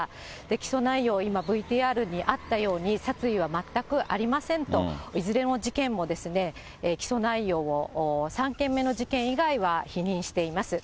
起訴内容、今ＶＴＲにあったように、殺意は全くありませんと、いずれの事件も、起訴内容を、３件目の事件以外は否認しています。